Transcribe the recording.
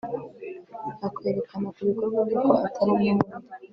yakwerekana kubikorwa bye ko atari umwe muribo